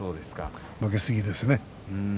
負けすぎですね。